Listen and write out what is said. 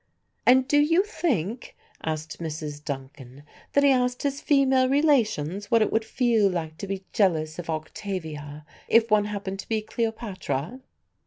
"And do you think," asked Mrs. Duncan, "that he asked his female relations what it would feel like to be jealous of Octavia if one happened to be Cleopatra?"